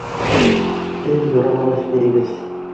Беҙ юрамал эшләйбеҙ.